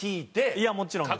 いやもちろんです。